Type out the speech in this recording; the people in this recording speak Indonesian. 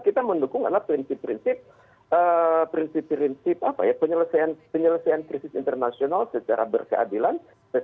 kita mendukung adalah prinsip prinsip penyelesaian krisis internasional secara berkeadilan